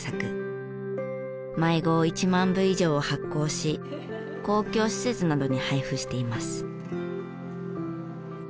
毎号１万部以上を発行し公共施設などに配布しています。